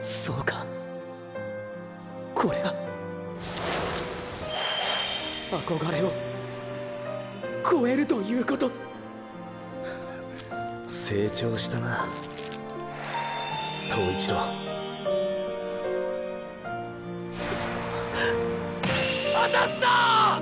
そうかこれが憧れを超えるということ成長したな塔一郎あざした！